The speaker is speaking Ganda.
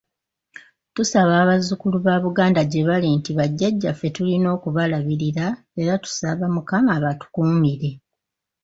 Tusaba abazzukulu ba Buganda gyebali nti bajjaja ffe tulina okubalabirira era tusaba Mukama abatukuumire.